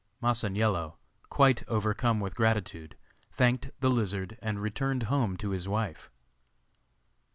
Masaniello, quite overcome with gratitude, thanked the lizard, and returned home to his wife.